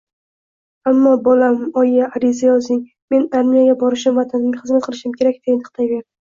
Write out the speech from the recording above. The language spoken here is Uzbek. Ammo bolam Oyi, ariza yozing, men armiyaga borishim, vatanimga xizmat qilishim kerak, deya niqtayverdi